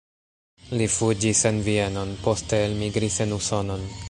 Li fuĝis en Vienon, poste elmigris en Usonon.